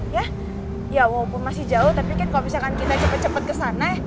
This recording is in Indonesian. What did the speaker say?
ya walaupun masih jauh tapi kan kalau misalkan kita cepat cepat kesana ya